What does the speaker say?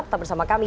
tetap bersama kami